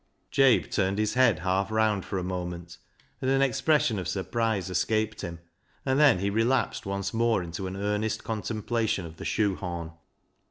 Jabe turned his head half round for a moment, and an expression of surprise escaped him, and then he relapsed once more into an earnest con templation of the shoe horn.